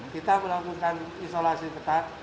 kita melakukan isolasi tetap